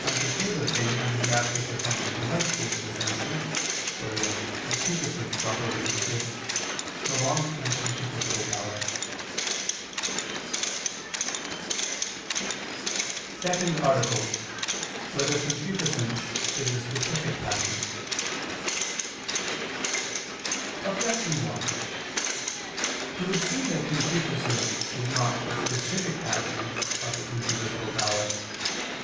And to crave a thing under the aspect of something delightful to the senses, wherein concupiscence properly consists, belongs to the concupiscible power. ________________________ SECOND ARTICLE [I II, Q. 30, Art. 2] Whether Concupiscence Is a Specific Passion? Objection 1: It would seem that concupiscence is not a specific passion of the concupiscible power.